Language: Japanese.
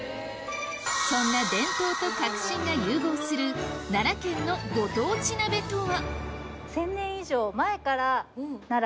そんな伝統と革新が融合する奈良県のご当地鍋とは？